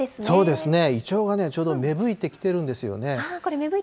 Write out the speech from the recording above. そうですね、イチョウがちょうど芽吹いてきてるんですよね。